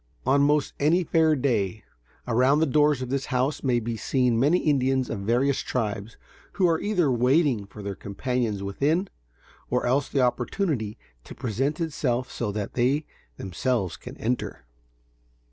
On most any fair day, around the doors of this house may be seen many Indians of various tribes who are either waiting for their companions within, or else for the opportunity to present itself so that they themselves can enter.